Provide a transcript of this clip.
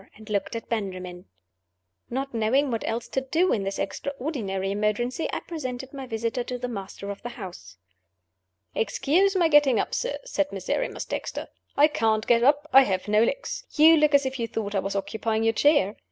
and looked at Benjamin. Not knowing what else to do in this extraordinary emergency, I presented my visitor to the master of the house. "Excuse my getting up, sir," said Miserrimus Dexter. "I can't get up I have no legs. You look as if you thought I was occupying your chair?